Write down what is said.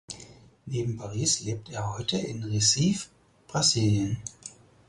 Neben Paris lebt er heute in Recife (Brasilien).